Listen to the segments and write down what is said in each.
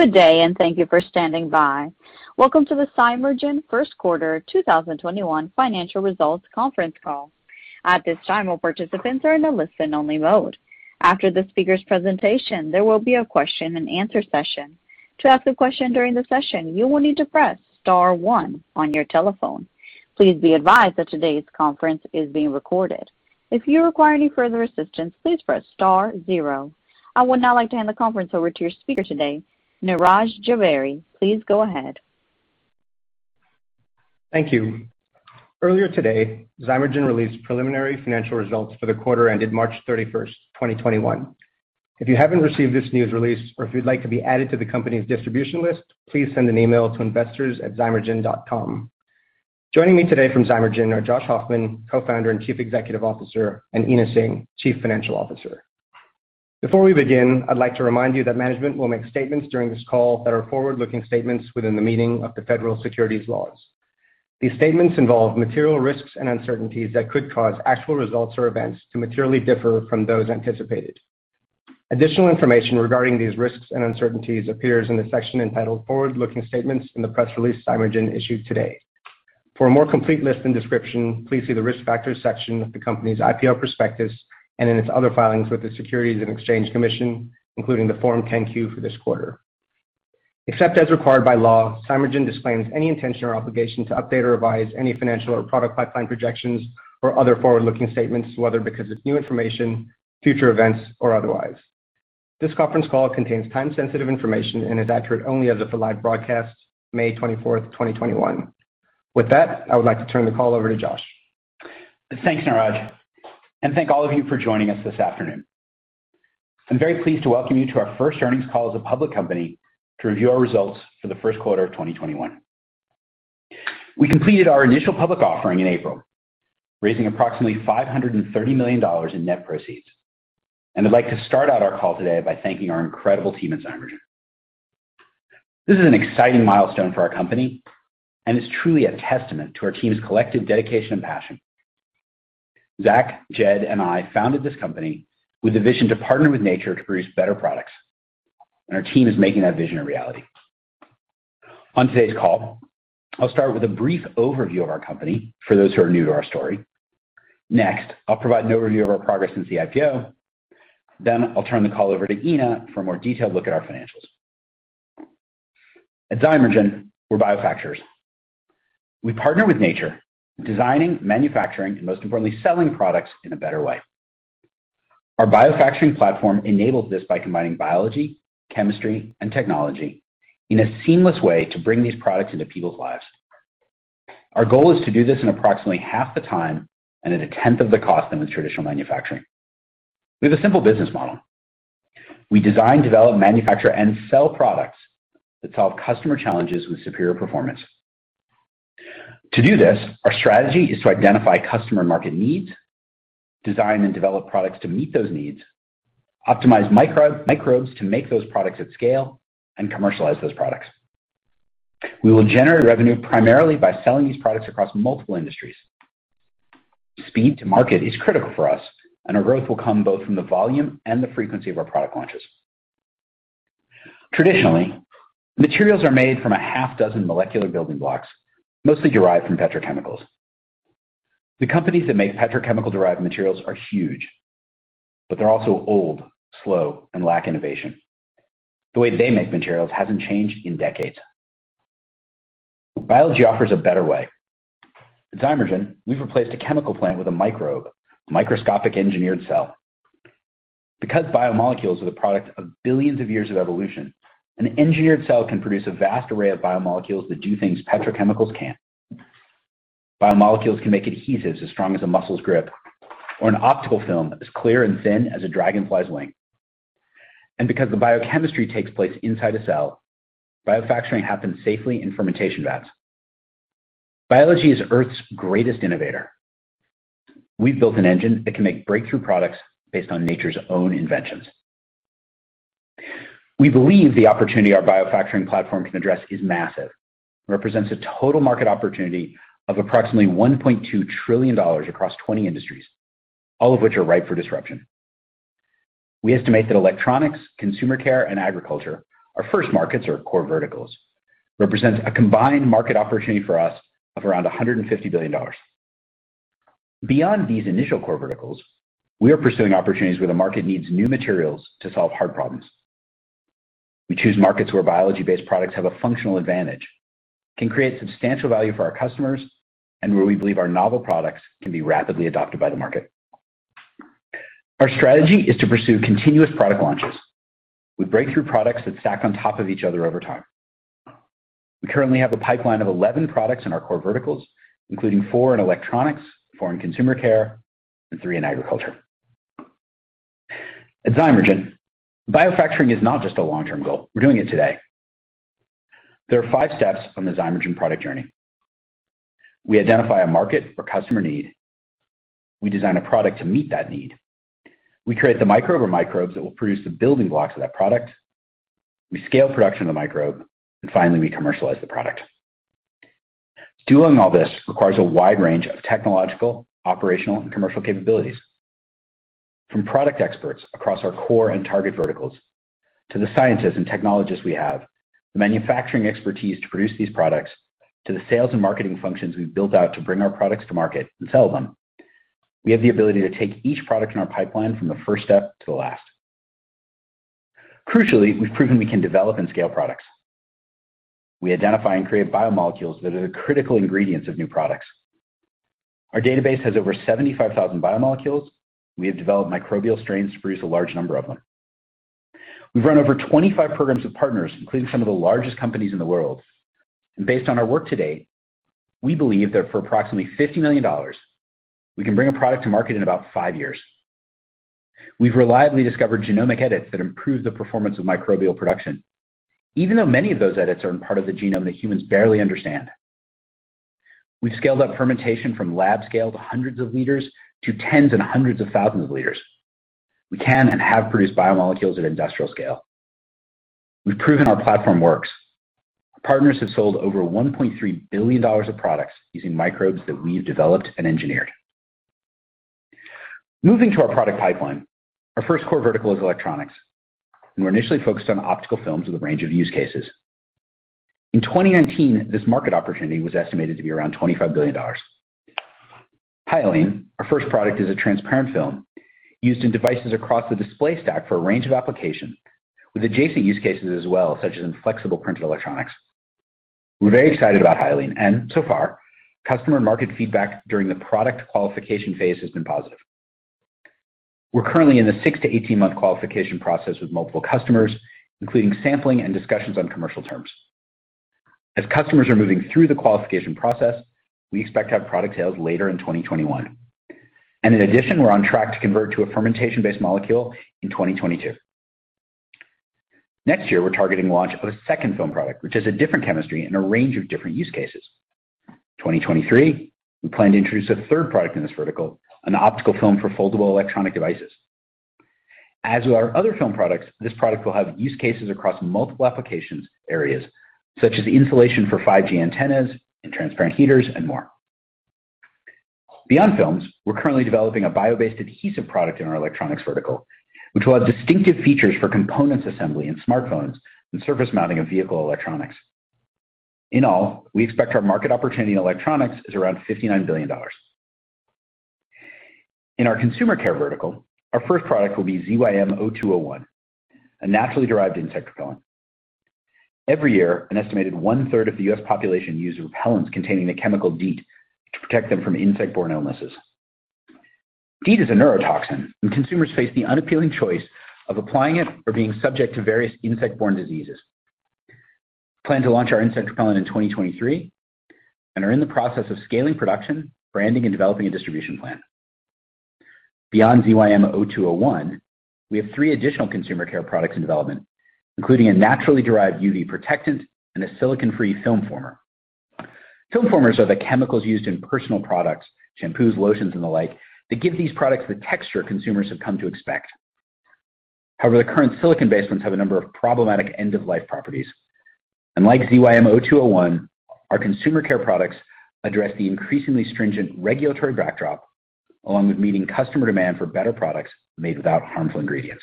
Good day, and thank you for standing by. Welcome to the Zymergen first quarter 2021 financial results conference call. At this time, all participants are in a listen only mode. After the speaker's presentation, there will be a question and answer session. To ask a question during the session, you will need to press star one on your telephone. Please be advised that today's conference is being recorded. If you require any further assistance, please press star zero. I would now like to hand the conference over to your speaker today, Niraj Javeri. Please go ahead. Thank you. Earlier today, Zymergen released preliminary financial results for the quarter ended March 31st, 2021. If you haven't received this news release or if you'd like to be added to the company's distribution list, please send an email to investors@zymergen.com. Joining me today from Zymergen are Josh Hoffman, Co-Founder and Chief Executive Officer, and Ena Singh, Chief Financial Officer. Before we begin, I'd like to remind you that management will make statements during this call that are forward-looking statements within the meaning of the federal securities laws. These statements involve material risks and uncertainties that could cause actual results or events to materially differ from those anticipated. Additional information regarding these risks and uncertainties appears in the section entitled Forward-Looking Statements in the press release Zymergen issued today. For a more complete list and description, please see the Risk Factors section of the company's IPO prospectus and in its other filings with the Securities and Exchange Commission, including the Form 10-Q for this quarter. Except as required by law, Zymergen disclaims any intention or obligation to update or revise any financial or product pipeline projections or other forward-looking statements, whether because of new information, future events, or otherwise. This conference call contains time-sensitive information and is accurate only as of the live broadcast, May 24th, 2021. With that, I would like to turn the call over to Josh. Thanks, Niraj, thank all of you for joining us this afternoon. I'm very pleased to welcome you to our first earnings call as a public company to review our results for the first quarter of 2021. We completed our initial public offering in April, raising approximately $530 million in net proceeds, and I'd like to start out our call today by thanking our incredible team at Zymergen. This is an exciting milestone for our company, and it's truly a testament to our team's collective dedication and passion. Zach, Jed, and I founded this company with a vision to partner with nature to produce better products, and our team is making that vision a reality. On today's call, I'll start with a brief overview of our company for those who are new to our story. Next, I'll provide an overview of our progress since the IPO. I'll turn the call over to Ena for a more detailed look at our financials. At Zymergen, we're biofacturers. We partner with nature, designing, manufacturing, and most importantly, selling products in a better way. Our biofacturing platform enables this by combining biology, chemistry, and technology in a seamless way to bring these products into people's lives. Our goal is to do this in approximately half the time and at a tenth of the cost than with traditional manufacturing. We have a simple business model. We design, develop, manufacture, and sell products that solve customer challenges with superior performance. To do this, our strategy is to identify customer market needs, design and develop products to meet those needs, optimize microbes to make those products at scale, and commercialize those products. We will generate revenue primarily by selling these products across multiple industries. Speed to market is critical for us, and our growth will come both from the volume and the frequency of our product launches. Traditionally, materials are made from a half dozen molecular building blocks, mostly derived from petrochemicals. The companies that make petrochemical derived materials are huge, but they're also old, slow, and lack innovation. The way they make materials hasn't changed in decades. Biology offers a better way. At Zymergen, we've replaced a chemical plant with a microbe, a microscopic engineered cell. Because biomolecules are the product of billions of years of evolution, an engineered cell can produce a vast array of biomolecules that do things petrochemicals can't. Biomolecules can make adhesives as strong as a muscle's grip or an optical film that's clear and thin as a dragonfly's wing. Because the biochemistry takes place inside a cell, biofacturing happens safely in fermentation vats. Biology is Earth's greatest innovator. We've built an engine that can make breakthrough products based on nature's own inventions. We believe the opportunity our biofacturing platform can address is massive and represents a total market opportunity of approximately $1.2 trillion across 20 industries, all of which are ripe for disruption. We estimate that electronics, consumer care, and agriculture, our first markets or core verticals, represents a combined market opportunity for us of around $150 billion. Beyond these initial core verticals, we are pursuing opportunities where the market needs new materials to solve hard problems. We choose markets where biology-based products have a functional advantage, can create substantial value for our customers, and where we believe our novel products can be rapidly adopted by the market. Our strategy is to pursue continuous product launches with breakthrough products that stack on top of each other over time. We currently have a pipeline of 11 products in our core verticals, including four in electronics, four in consumer care, and three in agriculture. At Zymergen, biofacturing is not just a long term goal. We're doing it today. There are five steps on the Zymergen product journey. We identify a market or customer need. We design a product to meet that need. We create the microbe or microbes that will produce the building blocks of that product. We scale production of the microbe. Finally, we commercialize the product. Doing all this requires a wide range of technological, operational, and commercial capabilities. From product experts across our core and target verticals, to the scientists and technologists we have, the manufacturing expertise to produce these products, to the sales and marketing functions we've built out to bring our products to market and sell them. We have the ability to take each product in our pipeline from the first step to the last. Crucially, we've proven we can develop and scale products. We identify and create biomolecules that are the critical ingredients of new products. Our database has over 75,000 biomolecules. We have developed microbial strains to produce a large number of them. We've run over 25 programs with partners, including some of the largest companies in the world. Based on our work to date, we believe that for approximately $50 million, we can bring a product to market in about five years. We've reliably discovered genomic edits that improve the performance of microbial production, even though many of those edits are in part of the genome that humans barely understand. We've scaled up fermentation from lab scale to hundreds of liters, to tens and hundreds of thousands of liters. We can and have produced biomolecules at industrial scale. We've proven our platform works. Partners have sold over $1.3 billion of products using microbes that we've developed and engineered. Moving to our product pipeline, our first core vertical is electronics. We're initially focused on optical films with a range of use cases. In 2019, this market opportunity was estimated to be around $25 billion. Hyaline, our first product, is a transparent film used in devices across the display stack for a range of applications, with adjacent use cases as well, such as in flexible printed electronics. We're very excited about Hyaline, and so far, customer market feedback during the product qualification phase has been positive. We're currently in the 6-18 months qualification process with multiple customers, including sampling and discussions on commercial terms. As customers are moving through the qualification process, we expect to have product sales later in 2021. In addition, we're on track to convert to a fermentation-based molecule in 2022. Next year, we're targeting the launch of a second film product, which has a different chemistry and a range of different use cases. 2023, we plan to introduce a third product in this vertical, an optical film for foldable electronic devices. As with our other film products, this product will have use cases across multiple application areas, such as insulation for 5G antennas and transparent heaters, and more. Beyond films, we're currently developing a bio-based adhesive product in our electronics vertical, which will have distinctive features for components assembly in smartphones and surface mounting of vehicle electronics. In all, we expect our market opportunity in electronics is around $59 billion. In our consumer care vertical, our first product will be ZYM0201, a naturally derived insect repellent. Every year, an estimated one-third of the U.S. population use repellents containing the chemical DEET to protect them from insect-borne illnesses. DEET is a neurotoxin, and consumers face the unappealing choice of applying it or being subject to various insect-borne diseases. We plan to launch our insect repellent in 2023 and are in the process of scaling production, branding, and developing a distribution plan. Beyond ZYM0201, we have three additional consumer care products in development, including a naturally derived UV protectant and a silicone-free film former. Film formers are the chemicals used in personal products, shampoos, lotions, and the like, that give these products the texture consumers have come to expect. However, the current silicone-based ones have a number of problematic end-of-life properties. Like ZYM0201, our consumer care products address the increasingly stringent regulatory backdrop, along with meeting customer demand for better products made without harmful ingredients.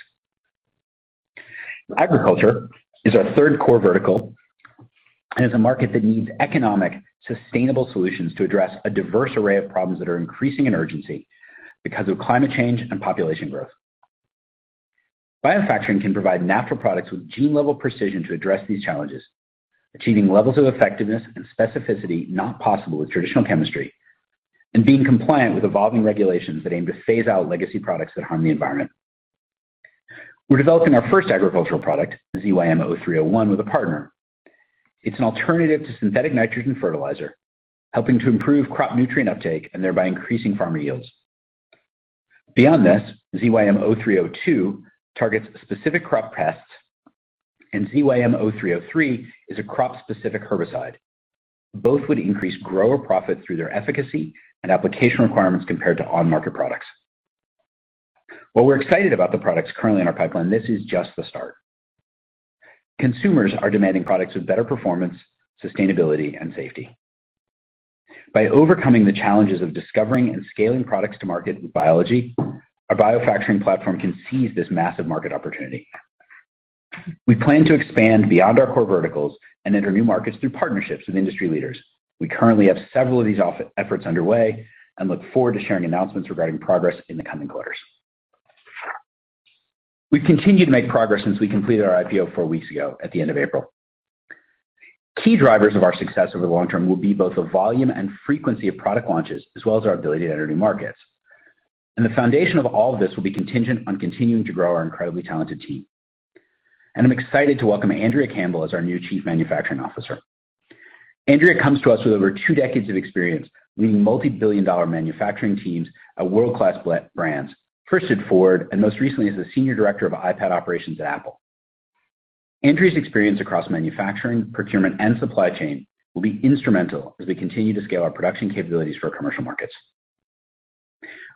Agriculture is our third core vertical and is a market that needs economic, sustainable solutions to address a diverse array of problems that are increasing in urgency because of climate change and population growth. Biofacturing can provide natural products with gene-level precision to address these challenges, achieving levels of effectiveness and specificity not possible with traditional chemistry and being compliant with evolving regulations that aim to phase out legacy products that harm the environment. We're developing our first agricultural product, ZYM0301, with a partner. It's an alternative to synthetic nitrogen fertilizer, helping to improve crop nutrient uptake and thereby increasing farmer yields. Beyond this, ZYM0302 targets specific crop pests, and ZYM0303 is a crop-specific herbicide. Both would increase grower profit through their efficacy and application requirements compared to on-market products. While we're excited about the products currently in our pipeline, this is just the start. Consumers are demanding products with better performance, sustainability, and safety. By overcoming the challenges of discovering and scaling products to market with biology, our biofacturing platform can seize this massive market opportunity. We plan to expand beyond our core verticals and enter new markets through partnerships with industry leaders. We currently have several of these efforts underway and look forward to sharing announcements regarding progress in the coming quarters. We continue to make progress since we completed our IPO four weeks ago at the end of April. Key drivers of our success over the long term will be both the volume and frequency of product launches, as well as our ability to enter new markets. The foundation of all this will be contingent on continuing to grow our incredibly talented team. I'm excited to welcome Aindrea Campbell as our new Chief Manufacturing Officer. Aindrea comes to us with over two decades of experience leading multi-billion-dollar manufacturing teams at world-class brands, first at Ford, and most recently as the senior director of iPad operations at Apple. Aindrea's experience across manufacturing, procurement, and supply chain will be instrumental as we continue to scale our production capabilities for commercial markets.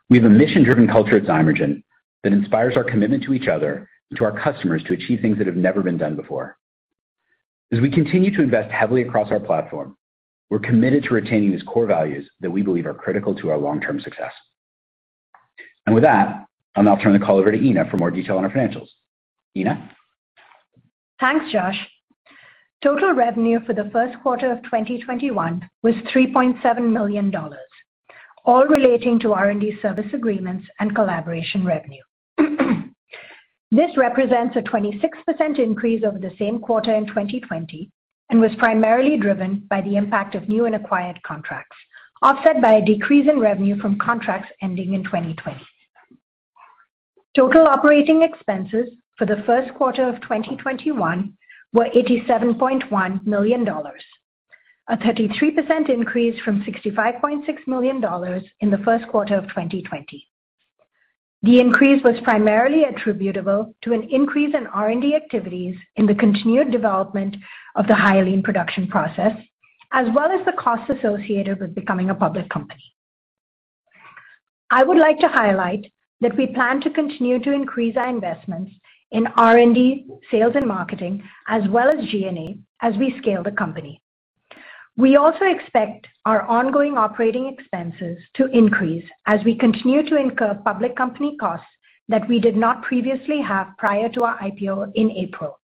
We have a mission-driven culture at Zymergen that inspires our commitment to each other and to our customers to achieve things that have never been done before. As we continue to invest heavily across our platform, we're committed to retaining these core values that we believe are critical to our long-term success. With that, I'll now turn the call over to Ena for more detail on our financials. Ena? Thanks, Josh. Total revenue for the first quarter of 2021 was $3.7 million, all relating to R&D service agreements and collaboration revenue. This represents a 26% increase over the same quarter in 2020 and was primarily driven by the impact of new and acquired contracts, offset by a decrease in revenue from contracts ending in 2020. Total operating expenses for the first quarter of 2021 were $87.1 million, a 33% increase from $65.6 million in the first quarter of 2020. The increase was primarily attributable to an increase in R&D activities in the continued development of the Hyaline production process, as well as the costs associated with becoming a public company. I would like to highlight that we plan to continue to increase our investments in R&D, sales and marketing, as well as G&A as we scale the company. We also expect our ongoing operating expenses to increase as we continue to incur public company costs that we did not previously have prior to our IPO in April.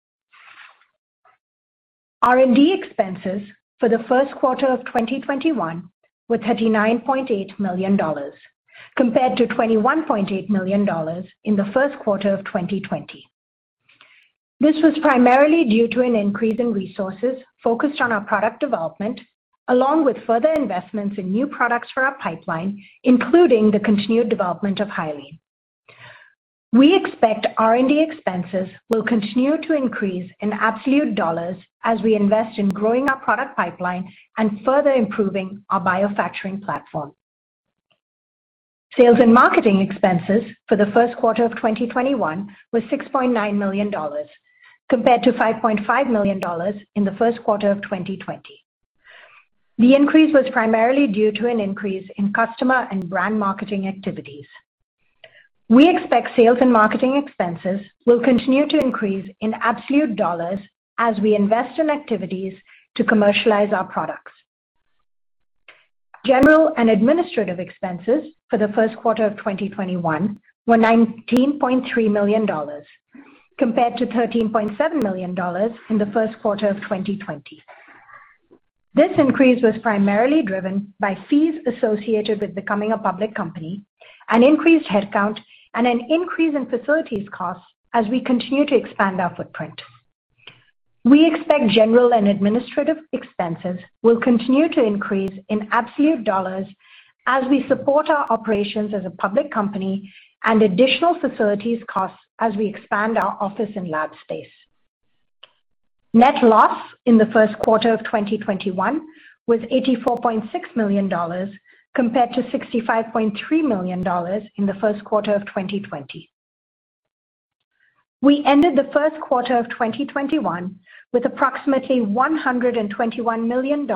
R&D expenses for the first quarter of 2021 were $39.8 million, compared to $21.8 million in the first quarter of 2020. This was primarily due to an increase in resources focused on our product development, along with further investments in new products for our pipeline, including the continued development of Hyaline. We expect R&D expenses will continue to increase in absolute dollars as we invest in growing our product pipeline and further improving our biofacturing platform. Sales and marketing expenses for the first quarter of 2021 were $6.9 million, compared to $5.5 million in the first quarter of 2020. The increase was primarily due to an increase in customer and brand marketing activities. We expect sales and marketing expenses will continue to increase in absolute dollars as we invest in activities to commercialize our products. General and administrative expenses for the first quarter of 2021 were $19.3 million, compared to $13.7 million in the first quarter of 2020. This increase was primarily driven by fees associated with becoming a public company, an increased headcount, and an increase in facilities costs as we continue to expand our footprint. We expect general and administrative expenses will continue to increase in absolute dollars as we support our operations as a public company and additional facilities costs as we expand our office and lab space. Net loss in the first quarter of 2021 was $84.6 million, compared to $65.3 million in the first quarter of 2020. We ended the first quarter of 2021 with approximately $121 million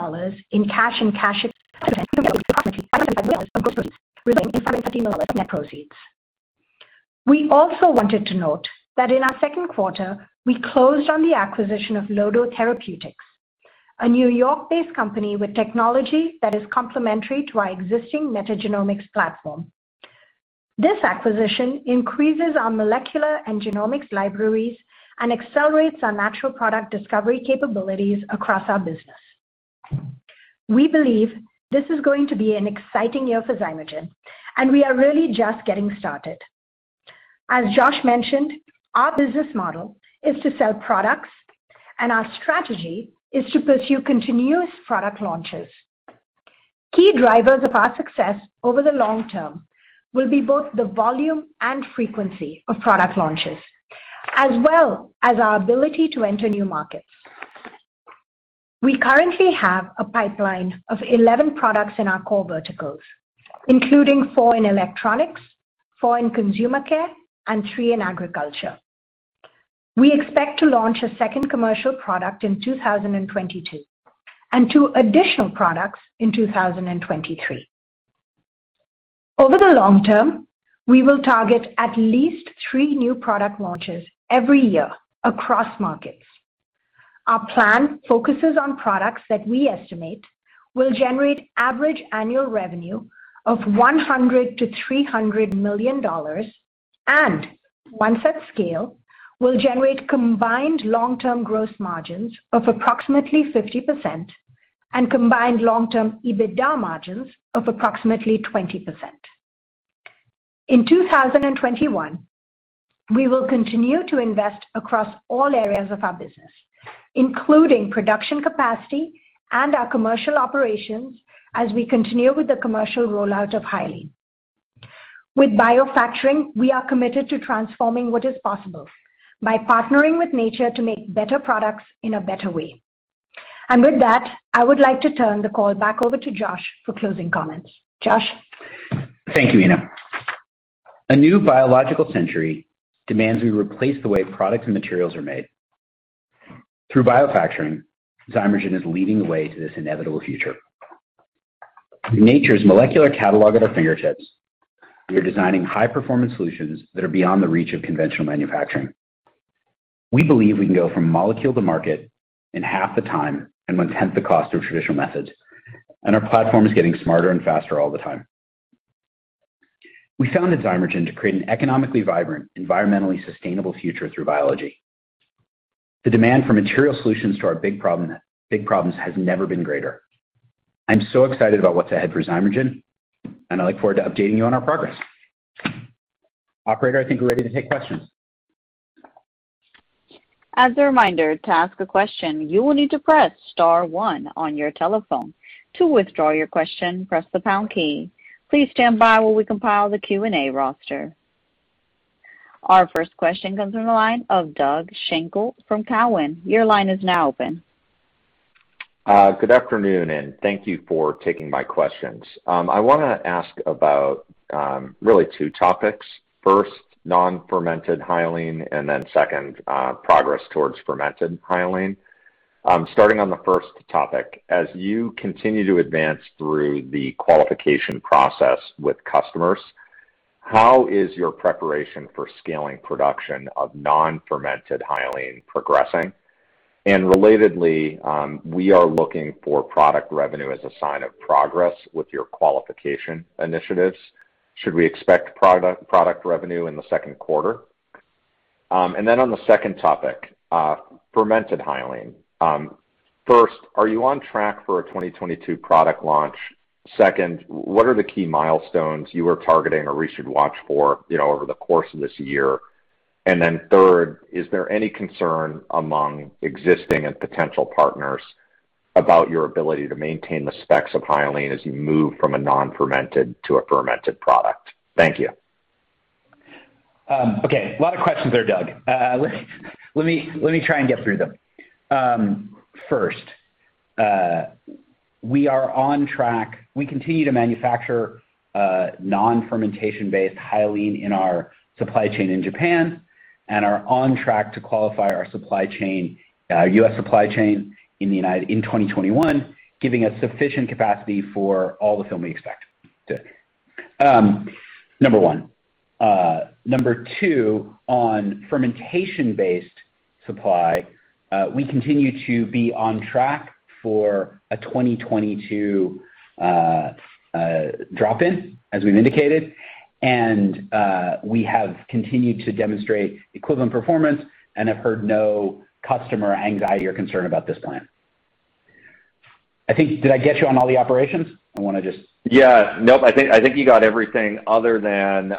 in cash and cash equivalents, net of $11 million in [bookings] related to the public IPO net proceeds. We also wanted to note that in our second quarter, we closed on the acquisition of Lodo Therapeutics, a New York-based company with technology that is complementary to our existing metagenomics platform. This acquisition increases our molecular and genomics libraries and accelerates our natural product discovery capabilities across our business. We believe this is going to be an exciting year for Zymergen, and we are really just getting started. As Josh mentioned, our business model is to sell products, and our strategy is to pursue continuous product launches. Key drivers of our success over the long term will be both the volume and frequency of product launches, as well as our ability to enter new markets. We currently have a pipeline of 11 products in our core verticals, including four in electronics, four in consumer care, and three in agriculture. We expect to launch a second commercial product in 2022 and two additional products in 2023. Over the long term, we will target at least three new product launches every year across markets. Our plan focuses on products that we estimate will generate average annual revenue of $100 million-$300 million, and once at scale, will generate combined long-term gross margins of approximately 50% and combined long-term EBITDA margins of approximately 20%. In 2021, we will continue to invest across all areas of our business, including production capacity and our commercial operations as we continue with the commercial rollout of Hyaline. With biofacturing, we are committed to transforming what is possible by partnering with nature to make better products in a better way. With that, I would like to turn the call back over to Josh for closing comments. Josh? Thank you, Ena. A new biological century demands we replace the way products and materials are made. Through biofacturing, Zymergen is leading the way to this inevitable future. With nature's molecular catalog at our fingertips, we are designing high-performance solutions that are beyond the reach of conventional manufacturing. We believe we can go from molecule to market in half the time and one-tenth the cost of traditional methods. Our platform is getting smarter and faster all the time. We founded Zymergen to create an economically vibrant, environmentally sustainable future through biology. The demand for material solutions to our big problems has never been greater. I'm so excited about what's ahead for Zymergen. I look forward to updating you on our progress. Operator, I think we're ready to take questions. As a reminder, to ask a question, you will need to press star one on your telephone. To withdraw your question, press the pound key. Please stand by while we compile the Q&A roster. Our first question comes from the line of Doug Schenkel from Cowen. Your line is now open. Good afternoon, and thank you for taking my questions. I want to ask about really two topics. First, non-fermented Hyaline, and then second, progress towards fermented Hyaline. Starting on the first topic, as you continue to advance through the qualification process with customers, how is your preparation for scaling production of non-fermented Hyaline progressing? Relatedly, we are looking for product revenue as a sign of progress with your qualification initiatives. Should we expect product revenue in the second quarter? On the second topic, fermented Hyaline. First, are you on track for a 2022 product launch? Second, what are the key milestones you are targeting or we should watch for over the course of this year? Third, is there any concern among existing and potential partners about your ability to maintain the specs of Hyaline as you move from a non-fermented to a fermented product? Thank you. Okay. A lot of questions there, Doug. Let me try and get through them. First, we are on track. We continue to manufacture non-fermentation based Hyaline in our supply chain in Japan, and are on track to qualify our U.S. supply chain in 2021, giving us sufficient capacity for all the film we expect. Number one. Number two, on fermentation based supply, we continue to be on track for a 2022 drop-in, as we've indicated, and we have continued to demonstrate equivalent performance and have heard no customer anxiety or concern about this plan. Did I get you on all the operations? Yeah. Nope. I think you got everything other than,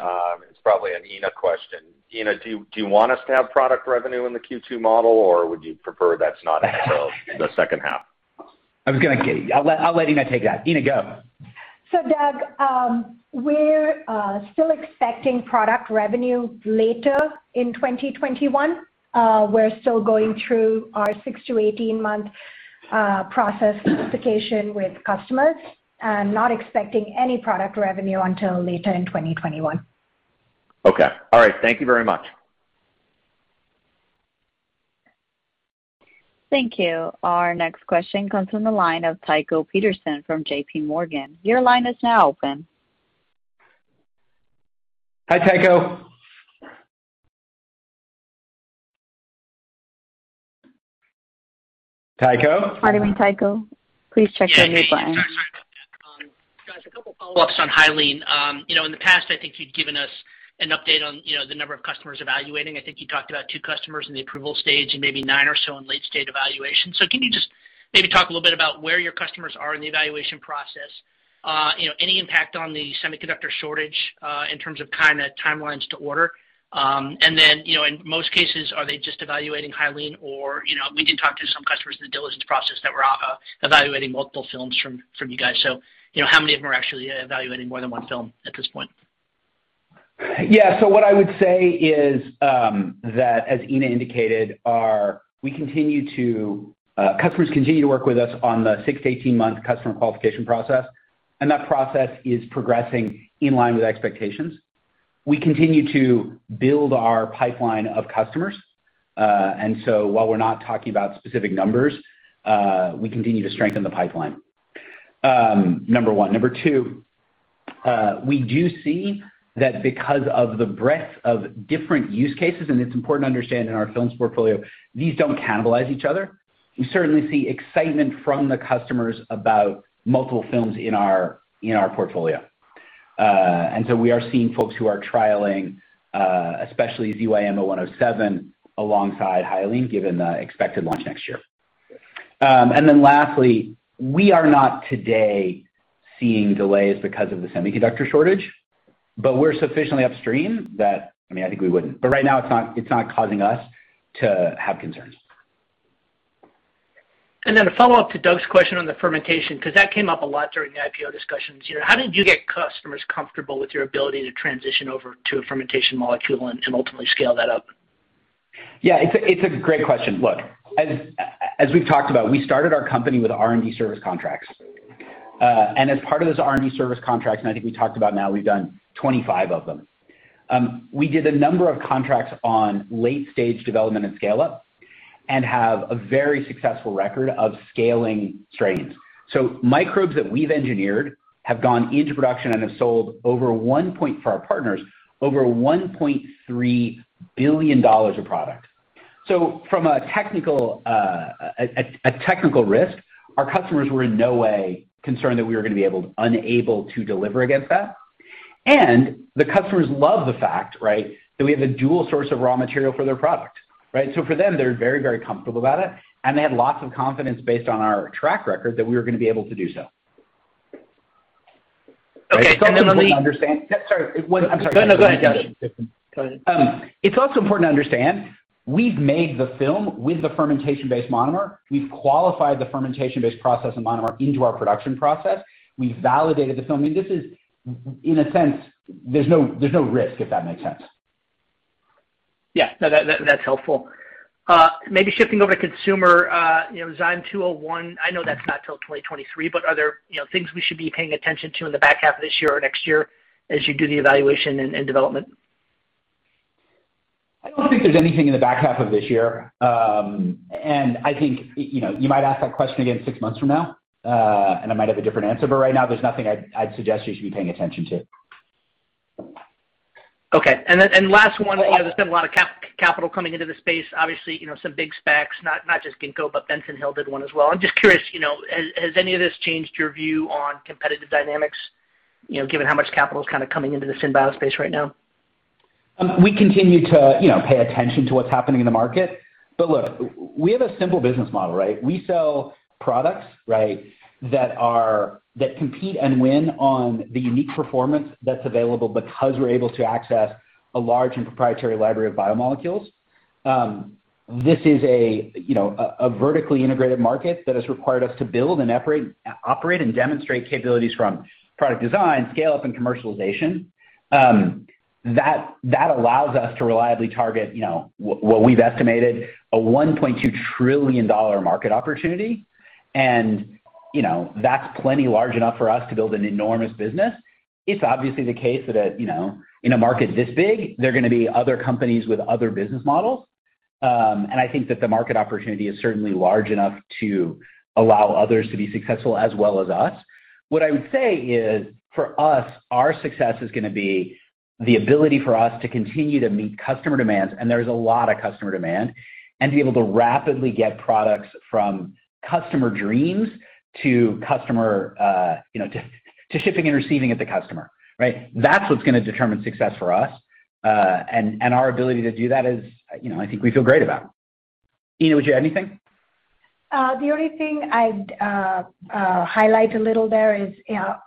it's probably an Ena question. Ena, do you want us to have product revenue in the Q2 model, or would you prefer that's not until the second half? I was going to get you. I'll let Ena take that. Ena, go. Doug, we're still expecting product revenue later in 2021. We're still going through our 6-18 month process qualification with customers, not expecting any product revenue until later in 2021. Okay. All right. Thank you very much. Thank you. Our next question comes from the line of Tycho Peterson from JPMorgan. Your line is now open. Hi, Tycho. Tycho? Pardon me, Tycho. Please check your mute button. Sorry about that. Guys, a couple follow-ups on Hyaline. In the past, I think you'd given us an update on the number of customers evaluating. I think you talked about two customers in the approval stage and maybe nine or so in late-stage evaluation. Can you just maybe talk a little bit about where your customers are in the evaluation process? Any impact on the semiconductor shortage in terms of timelines to order? Then, in most cases, are they just evaluating Hyaline or, we did talk to some customers in the diligence process that were evaluating multiple films from you guys, how many of them are actually evaluating more than one film at this point? Yeah. What I would say is that, as Ena indicated, customers continue to work with us on the six to 18 month customer qualification process, and that process is progressing in line with expectations. We continue to build our pipeline of customers. While we're not talking about specific numbers, we continue to strengthen the pipeline. Number one. Number two, we do see that because of the breadth of different use cases, and it's important to understand in our films portfolio, these don't cannibalize each other. We certainly see excitement from the customers about multiple films in our portfolio. We are seeing folks who are trialing, especially ZYM0107 alongside Hyaline, given the expected launch next year. Lastly, we are not today seeing delays because of the semiconductor shortage, but we're sufficiently upstream that, I think we wouldn't. Right now it's not causing us to have concerns. Then a follow-up to Doug's question on the fermentation, because that came up a lot during the IPO discussions. How did you get customers comfortable with your ability to transition over to a fermentation molecule and ultimately scale that up? Yeah. It's a great question. Look, as we've talked about, we started our company with R&D service contracts. As part of those R&D service contracts, I think we talked about now we've done 25 of them. We did a number of contracts on late-stage development and scale-up and have a very successful record of scaling strains. Microbes that we've engineered have gone into production and have sold for our partners over $1.3 billion of product. From a technical risk, our customers were in no way concerned that we were going to be unable to deliver against that, and the customers love the fact that we have a dual source of raw material for their product. Right? For them, they're very, very comfortable about it, and they had lots of confidence based on our track record that we were going to be able to do so. Okay. It's also important to understand, sorry. Go ahead. No, go ahead. It's also important to understand we've made the film with the fermentation-based monomer. We've qualified the fermentation-based process and monomer into our production process. We've validated the film. In a sense, there's no risk, if that makes sense. Yeah. No, that's helpful. Maybe shifting over to consumer, ZYM0201, I know that's not until 2023, Are there things we should be paying attention to in the back half of this year or next year as you do the evaluation and development? I don't think there's anything in the back half of this year. I think you might ask that question again six months from now, and I might have a different answer, but right now, there's nothing I'd suggest you should be paying attention to. Okay. Last one. Obviously, a lot of capital coming into the space, obviously some big SPACs, not just Ginkgo, but Benson Hill did one as well. I am just curious, has any of this changed your view on competitive dynamics, given how much capital is coming into the same battle space right now? We continue to pay attention to what's happening in the market. Look, we have a simple business model, right? We sell products that compete and win on the unique performance that's available because we're able to access a large and proprietary library of biomolecules. This is a vertically integrated market that has required us to build and operate and demonstrate capabilities from product design, scale-up, and commercialization. That allows us to reliably target what we've estimated a $1.2 trillion market opportunity. That's plenty large enough for us to build an enormous business. It's obviously the case that in a market this big, there are going to be other companies with other business models. I think that the market opportunity is certainly large enough to allow others to be successful as well as us. What I would say is, for us, our success is going to be the ability for us to continue to meet customer demands, and there's a lot of customer demand, and be able to rapidly get products from customer dreams to shipping and receiving at the customer. Right? That's what's going to determine success for us, and our ability to do that is, I think we feel great about. Ena, anything? The only thing I'd highlight a little there is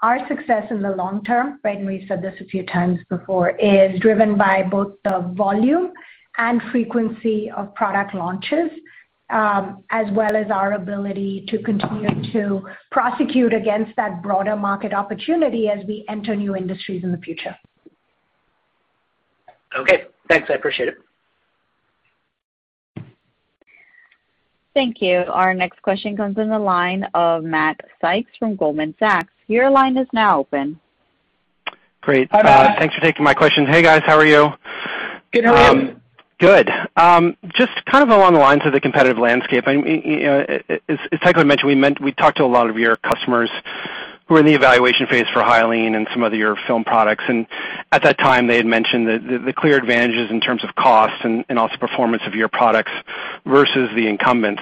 our success in the long term, as we said this a few times before, is driven by both the volume and frequency of product launches, as well as our ability to continue to prosecute against that broader market opportunity as we enter new industries in the future. Okay, thanks. I appreciate it. Thank you. Our next question comes in the line of Matt Sykes from Goldman Sachs. Great. Hi, Matt. Thanks for taking my question. Hey, guys. How are you? Good. How are you? Good. Just along the lines of the competitive landscape, as Tycho mentioned, we talked to a lot of your customers who are in the evaluation phase for Hyaline and some of your film products, and at that time, they had mentioned the clear advantages in terms of cost and also performance of your products versus the incumbents.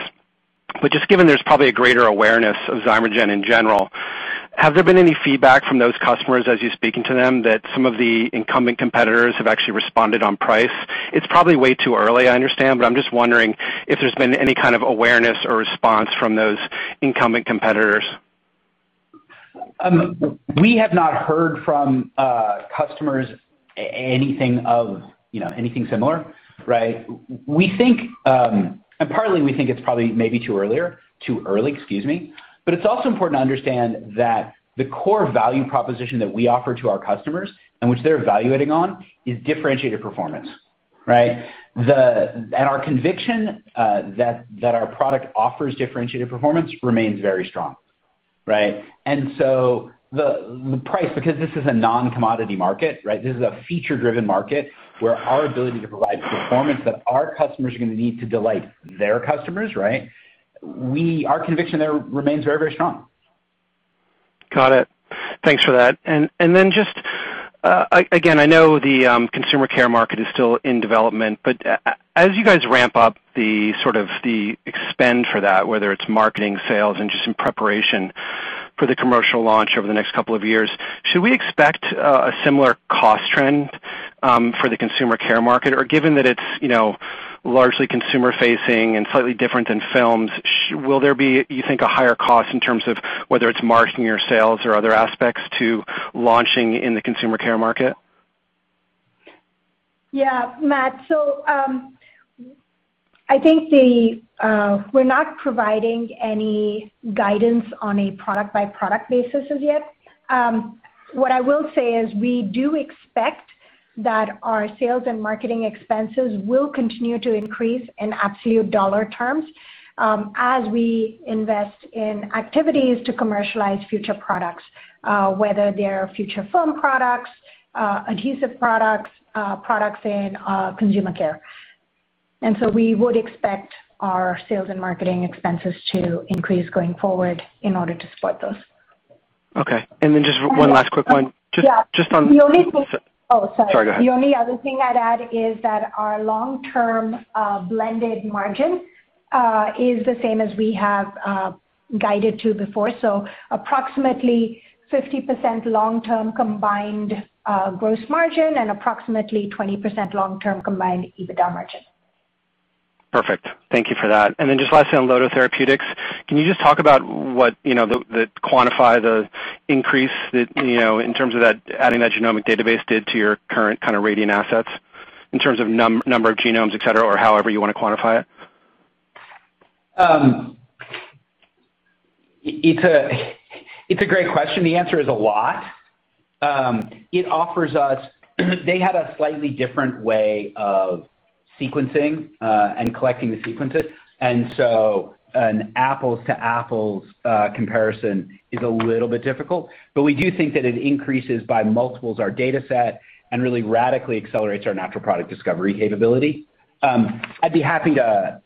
Just given there's probably a greater awareness of Zymergen in general, has there been any feedback from those customers as you're speaking to them that some of the incumbent competitors have actually responded on price? It's probably way too early, I understand, I'm just wondering if there's been any kind of awareness or response from those incumbent competitors. We have not heard from customers anything similar. Right? Partly, we think it's probably maybe too early. It's also important to understand that the core value proposition that we offer to our customers, and which they're evaluating on, is differentiated performance. Right? Our conviction that our product offers differentiated performance remains very strong. Right? The price, because this is a non-commodity market, this is a feature-driven market where our ability to provide performance that our customers are going to need to delight their customers, our conviction there remains very, very strong. Got it. Thanks for that. Just, again, I know the consumer care market is still in development, but as you guys ramp up the spend for that, whether it's marketing, sales, and just in preparation for the commercial launch over the next couple of years, should we expect a similar cost trend for the consumer care market? Or given that it's largely consumer-facing and slightly different than films, will there be, you think, a higher cost in terms of whether it's marketing or sales or other aspects to launching in the consumer care market? Matt, I think we're not providing any guidance on a product-by-product basis as yet. What I will say is we do expect that our sales and marketing expenses will continue to increase in absolute dollar terms as we invest in activities to commercialize future products, whether they're future foam products, adhesive products in consumer care. We would expect our sales and marketing expenses to increase going forward in order to support those. Okay. Just one last quick one. Yeah. Just on- Oh, sorry. Sorry, go ahead. The only other thing I'd add is that our long-term blended margin is the same as we have guided to before. Approximately 50% long-term combined gross margin and approximately 20% long-term combined EBITDA margin. Perfect. Thank you for that. Just lastly, on Lodo Therapeutics, can you just talk about the increase that, in terms of that adding that genomic database did to your current kind of Radiant assets in terms of number of genomes, et cetera, or however you want to quantify it? It's a great question. The answer is a lot. It offers us, they had a slightly different way of sequencing and collecting the sequences, an apples-to-apples comparison is a little bit difficult. We do think that it increases by multiples our dataset and really radically accelerates our natural product discovery capability. I'd be happy to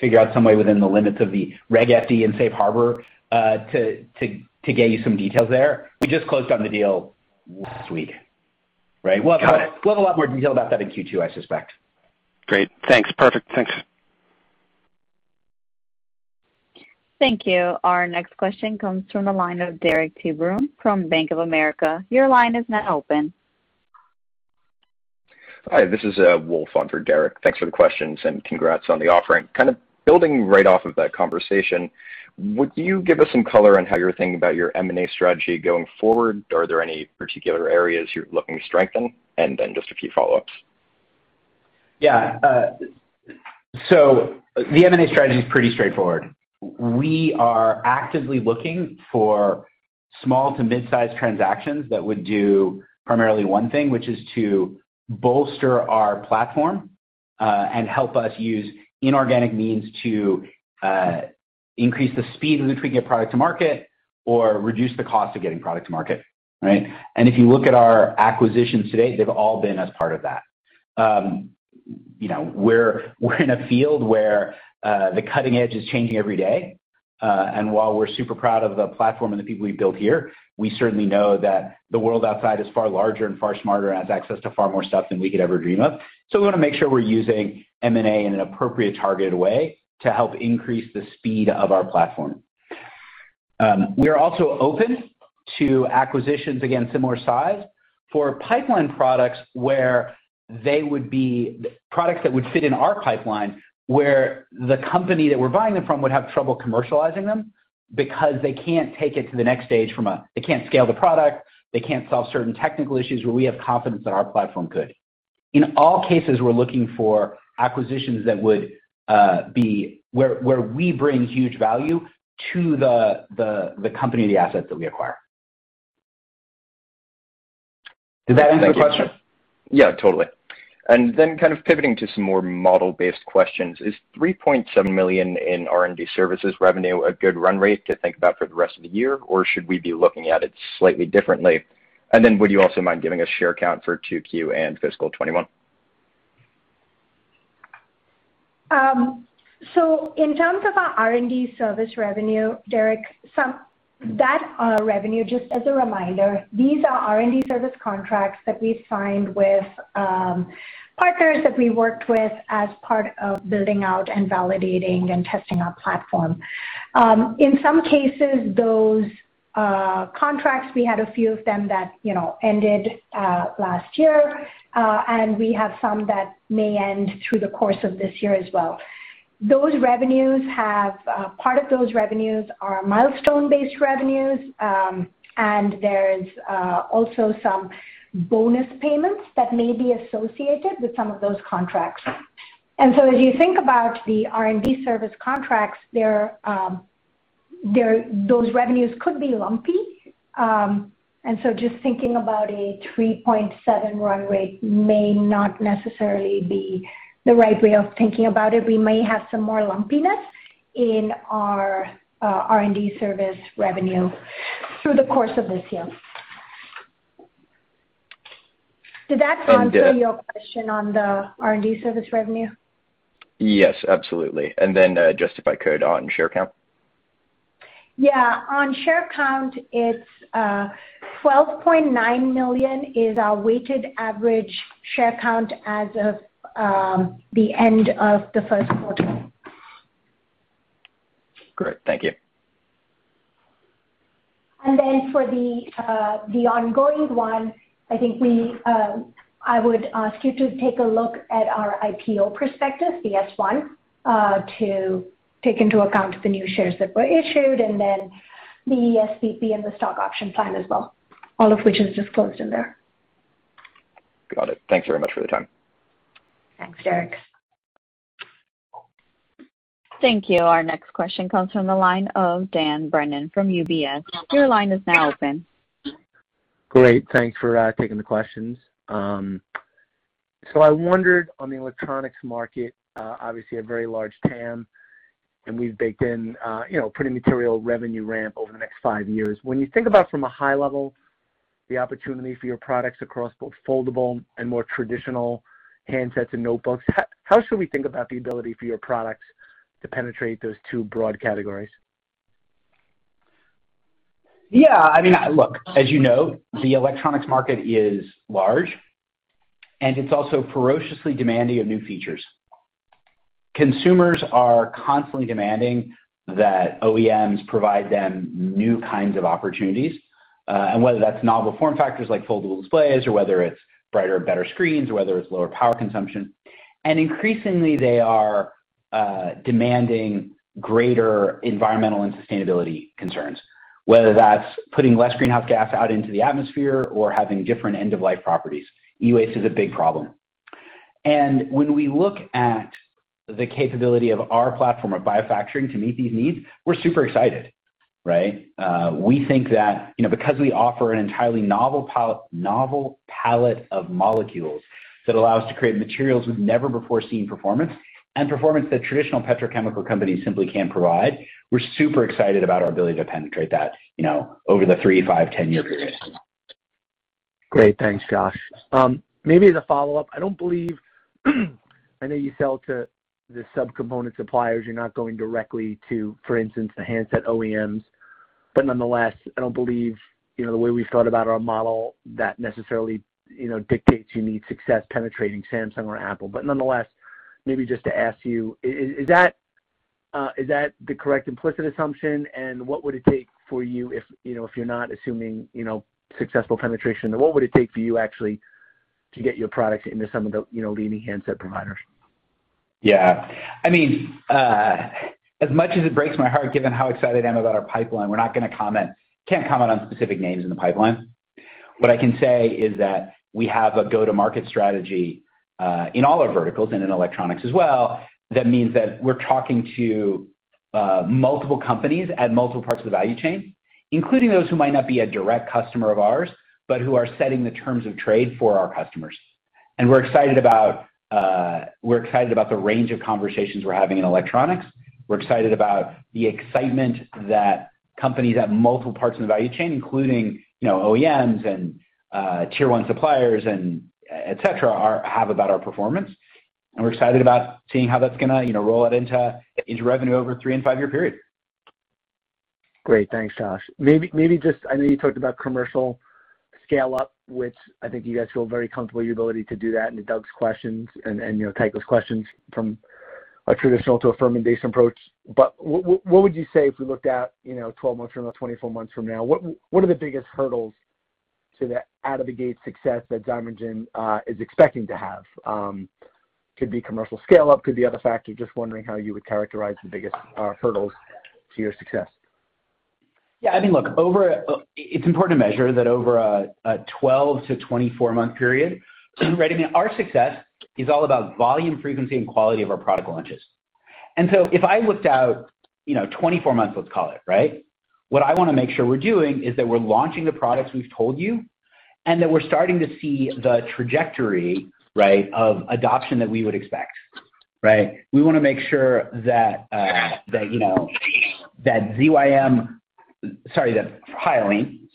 figure out some way within the limits of the Reg FD and safe harbor to get you some details there. We just closed on the deal last week. Right? Got it. We'll have a lot more detail about that in Q2, I suspect. Great. Thanks. Perfect. Thanks. Thank you. Our next question comes from the line of Derik De Bruin from Bank of America. Your line is now open. Hi, this is Wolf on for Derik. Thanks for the questions and congrats on the offering. Building right off of that conversation, would you give us some color on how you're thinking about your M&A strategy going forward? Are there any particular areas you're looking to strengthen? Just a few follow-ups. Yeah. The M&A strategy is pretty straightforward. We are actively looking for small to mid-size transactions that would do primarily one thing, which is to bolster our platform, and help us use inorganic means to increase the speed with which we get product to market or reduce the cost of getting product to market. Right? If you look at our acquisitions to date, they've all been as part of that. We're in a field where the cutting edge is changing every day. While we're super proud of the platform and the people we've built here, we certainly know that the world outside is far larger and far smarter and has access to far more stuff than we could ever dream of. We want to make sure we're using M&A in an appropriate, targeted way to help increase the speed of our platform. We are also open to acquisitions, again, similar size for pipeline products where they would be products that would fit in our pipeline, where the company that we're buying them from would have trouble commercializing them because they can't take it to the next stage. They can't scale the product. They can't solve certain technical issues where we have confidence that our platform could. In all cases, we're looking for acquisitions that would be where we bring huge value to the company, the asset that we acquire. Did that answer your question? Yeah, totally. Kind of pivoting to some more model-based questions, is $3.7 million in R&D services revenue a good run rate to think about for the rest of the year, or should we be looking at it slightly differently? Would you also mind giving us share count for 2Q and fiscal 2021? In terms of our R&D service revenue, Derik, that revenue, just as a reminder, these are R&D service contracts that we signed with partners that we worked with as part of building out and validating and testing our platform. In some cases, those contracts, we had a few of them that ended last year. We have some that may end through the course of this year as well. Part of those revenues are milestone-based revenues, and there's also some bonus payments that may be associated with some of those contracts. As you think about the R&D service contracts, those revenues could be lumpy. Just thinking about a $3.7 run rate may not necessarily be the right way of thinking about it. We may have some more lumpiness in our R&D service revenue through the course of this year. Did that answer your question on the R&D service revenue? Yes, absolutely. Just if I could, on share count? Yeah. On share count, it's 12.9 million is our weighted average share count as of the end of the first quarter. Great. Thank you. For the ongoing one, I think I would ask you to take a look at our IPO prospectus, the S-1, to take into account the new shares that were issued and then the ESPP and the stock option plan as well. All of which is disclosed in there. Got it. Thanks very much for the time. Thanks, Derik. Thank you. Our next question comes from the line of Dan Brennan from UBS. Your line is now open. Great. Thanks for taking the questions. I wondered on the electronics market, obviously a very large TAM, and we've baked in pretty material revenue ramp over the next five years. When you think about from a high level, the opportunity for your products across both foldable and more traditional handsets and notebooks, how should we think about the ability for your products to penetrate those two broad categories? Yeah, look, as you know, the electronics market is large, and it's also ferociously demanding of new features. Consumers are constantly demanding that OEMs provide them new kinds of opportunities, and whether that's novel form factors like foldable displays, or whether it's brighter or better screens, or whether it's lower power consumption. Increasingly, they are demanding greater environmental and sustainability concerns, whether that's putting less greenhouse gas out into the atmosphere or having different end-of-life properties. E-waste is a big problem. When we look at the capability of our platform of biofacturing to meet these needs, we're super excited. We think that because we offer an entirely novel palette of molecules that allow us to create materials with never-before-seen performance and performance that traditional petrochemical companies simply can't provide, we're super excited about our ability to penetrate that over the three, five, 10-year period. Great. Thanks, Josh. Maybe as a follow-up, I know you sell to the subcomponent suppliers. You're not going directly to, for instance, the handset OEMs. Nonetheless, I don't believe the way we've thought about our model that necessarily dictates you need success penetrating Samsung or Apple. Nonetheless, maybe just to ask you, is that the correct implicit assumption? What would it take for you if you're not assuming successful penetration? What would it take for you actually to get your products into some of the leading handset providers? Yeah. As much as it breaks my heart, given how excited I am about our pipeline, we're not going to comment, can't comment on specific names in the pipeline. What I can say is that we have a go-to-market strategy, in all our verticals and in electronics as well, that means that we're talking to multiple companies at multiple parts of the value chain, including those who might not be a direct customer of ours, but who are setting the terms of trade for our customers. We're excited about the range of conversations we're having in electronics. We're excited about the excitement that companies at multiple parts of the value chain, including OEMs and Tier 1 suppliers, and et cetera, have about our performance. We're excited about seeing how that's going to roll out into revenue over a three- and five-year period. Great. Thanks, Josh. I know you talked about commercial scale-up, which I think you guys feel very comfortable in your ability to do that in Doug's questions and Tycho's questions from a traditional to a ferment-based approach. What would you say if we looked at 12 months from now, 24 months from now? What are the biggest hurdles to that out-of-the-gate success that Zymergen is expecting to have? Could be commercial scale-up, could be other factors. Wondering how you would characterize the biggest hurdles to your success. Look, it's important to measure that over a 12 to 24-month period, our success is all about volume, frequency, and quality of our product launches. If I looked out 24 months, let's call it, what I want to make sure we're doing is that we're launching the products we've told you, and that we're starting to see the trajectory of adoption that we would expect. We want to make sure that Hyaline,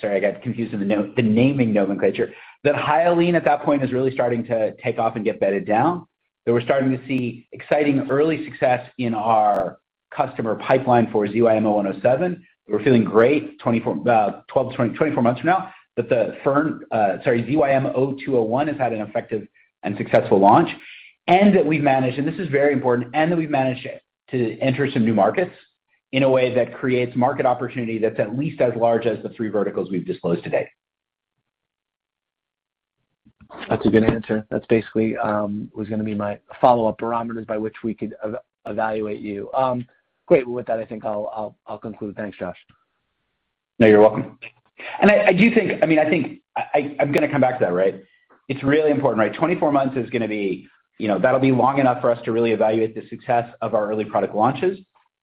I got confused on the naming nomenclature, that Hyaline at that point is really starting to take off and get bedded down. That we're starting to see exciting early success in our customer pipeline for ZYM0107. That we're feeling great 24 months from now that the ZYM0201 has had an effective and successful launch. This is very important, and that we've managed to enter some new markets in a way that creates market opportunity that's at least as large as the three verticals we've disclosed today. That's a good answer. That basically was going to be my follow-up parameters by which we could evaluate you. Great. Well, with that, I think I'll conclude. Thanks, Josh. No, you're welcome. I'm going to come back to that. It's really important. 24 months, that'll be long enough for us to really evaluate the success of our early product launches.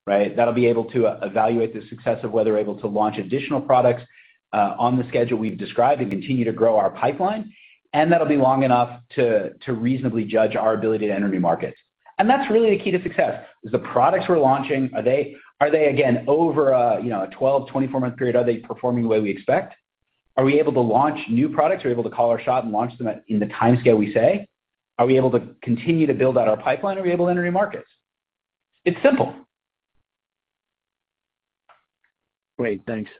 That'll be able to evaluate the success of whether we're able to launch additional products on the schedule we've described and continue to grow our pipeline. That'll be long enough to reasonably judge our ability to enter new markets. That's really the key to success, is the products we're launching, are they, again, over a 12, 24-month period, are they performing the way we expect? Are we able to launch new products? Are we able to call our shot and launch them in the timescale we say? Are we able to continue to build out our pipeline? Are we able to enter new markets? It's simple. Great, thanks.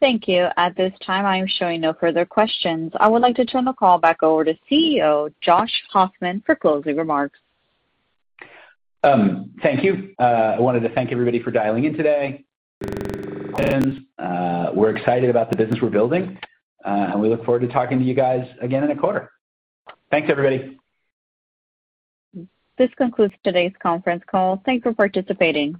Thank you. At this time, I am showing no further questions. I would like to turn the call back over to CEO, Josh Hoffman, for closing remarks. Thank you. I wanted to thank everybody for dialing in today. We're excited about the business we're building. We look forward to talking to you guys again in a quarter. Thanks, everybody. This concludes today's conference call. Thanks for participating.